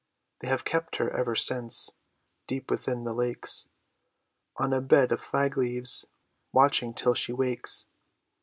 They have kept her ever since Deep within the lakes, On a bed of flag leaves, Watching till she wakes.